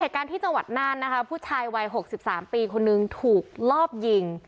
เหตุการณ์ที่จังหวัดน่านนะคะผู้ชายวัย๖๓ปีคนนึงถูกลอบยิง